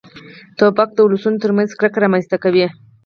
توپک د ولسونو تر منځ کرکه رامنځته کوي.